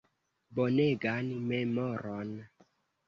Bonegan memoron.